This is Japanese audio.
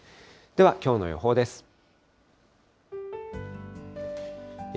では、きょうの予報です。